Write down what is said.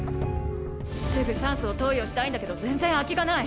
すぐ酸素を投与したいんだけど全然空きがない。